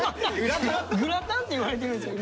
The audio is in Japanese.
グラタンって言われてるんですよ